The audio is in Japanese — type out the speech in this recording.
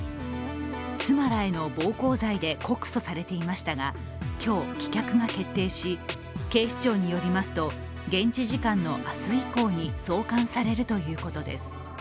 妻らへの暴行罪で告訴されていましたが、今日、棄却が決定し、警視庁によりますと、現地時間の明日以降に送還されるということです。